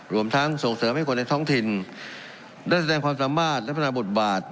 รวมทั้งส่งเสริมให้คนในท้องถิ่นได้แสดงความสามารถและพัฒนาบทบาท